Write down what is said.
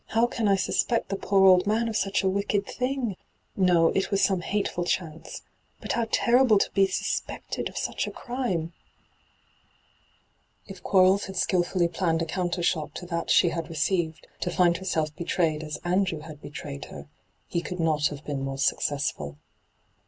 ' How can I suspect the poor old man of such a wicked thing ? No ; it was some hatefiil chance. But how terrible to be suspected of such a crime I' If Quarles had skilfully planned a counter shock to that she had received, to find herself betrayed as ' Andrew ' had betrayed her, he could not have been more successful.